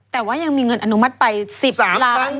แต่ว่ายังมีเงินอนุมัติไป๑๐ล้าน